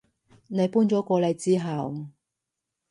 你搬咗過嚟之後